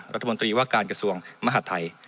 รัฐมนตรีว่าการกระทรวงมหาดไทย